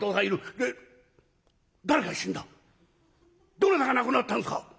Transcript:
どなたが亡くなったんですか？」。